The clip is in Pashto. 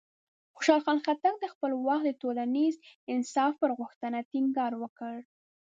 خوشحال خان خټک د خپل وخت د ټولنیز انصاف پر غوښتنه ټینګار وکړ.